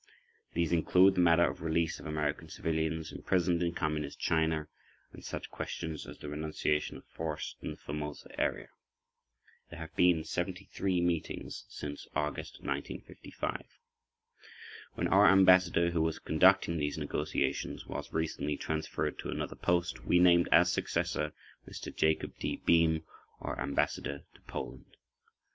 These included the matter of release of American civilians imprisoned in Communist China, and such questions as the renunciation of force in the Formosa area. There have been 73 meetings since August 1955. When our Ambassador, who was conducting these negotiations, was recently transferred to another post, we named as successor Mr. [Jacob D.] Beam, our Ambassador to Poland.